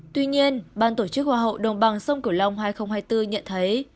tuy nhiên ban tổ chức hoa hậu đồng bằng sông cửu long hai nghìn hai mươi bốn nhận thấy